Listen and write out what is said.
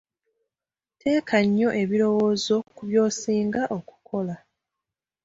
Teeka nnyo ebirowoozo ku ky'osinga okukola.